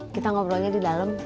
kita ngobrolnya di dalam